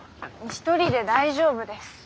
１人で大丈夫です。